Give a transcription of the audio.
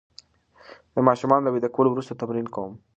د ماشومانو له ویده کولو وروسته تمرین کوم.